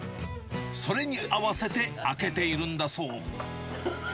それに合わせて開けているんだそう。